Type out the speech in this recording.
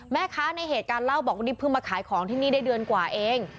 แม่ค้าในเหตุการณ์เล่าบอกว่านี่เพิ่งมาขายของที่นี่ได้เดือนกว่าเอง